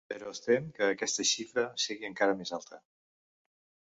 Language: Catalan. Però es tem que aquesta xifra sigui encara més alta.